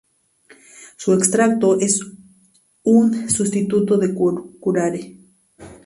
Su extracto es un sustituto del curare.